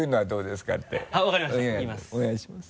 お願いします。